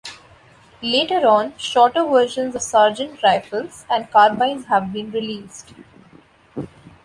Later on, shorter versions of sergeant-rifles and carbines have been released.